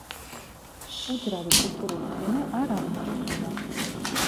უძრავი კულტურული ფენა არ აღმოჩენილა.